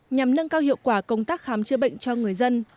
nhằm nâng cao hiệu quả công tác khám chữa bệnh cho người dân